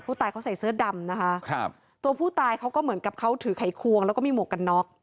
ผู้ตายเขาใส่เสื้อดำนะคะครับตัวผู้ตายเขาก็เหมือนกับเขาถือไขควงแล้วก็มีหมวกกันน็อก